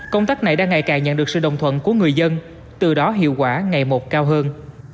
công tác này đang ngày càng nhận được sự đồng thuận của người dân từ đó hiệu quả ngày một cao hơn